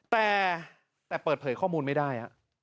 แต่เปิดเผยข้อมูลไม่ได้